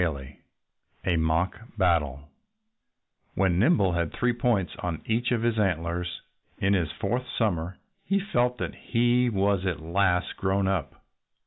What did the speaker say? XV A MOCK BATTLE When Nimble had three points on each of his antlers, in his fourth summer, he felt that he was at last grown up.